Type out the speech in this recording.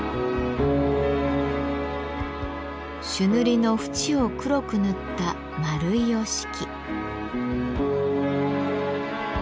朱塗りの縁を黒く塗った円い折敷。